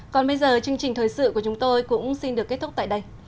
còn bây giờ chương trình thời sự của chúng tôi cũng xin được kết thúc tại đây